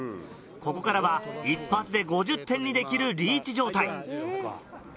ここからは一発で５０点にできるリーチ状態。